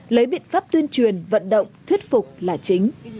lấy biện pháp tuyên truyền vận động thuyết phục là chính